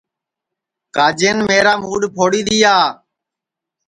کاجین میرا موڈؔ پھوڑی دؔیا